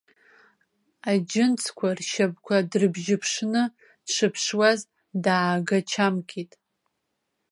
Аџьынҵқәа ршьапқәа дрыбжьыԥшны дшыԥшуаз даагачамкит.